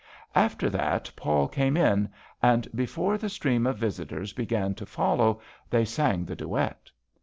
After that Paul came in, and before the stream of visitors began to follow, they sang the duet.